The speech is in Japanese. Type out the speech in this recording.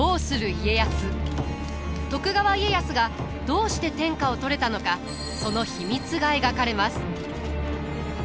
徳川家康がどうして天下を取れたのかその秘密が描かれます。